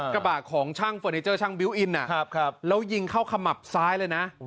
กระบะของช่างเฟอร์นิเจอร์ช่างบิวตอินแล้วยิงเข้าขมับซ้ายเลยนะ